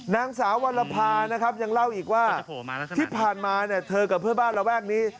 นางสาววรภานะครับยังเล่าอีกว่าที่ผ่านมาเนี่ยเธอกับเพื่อนบ้านระแวกนี้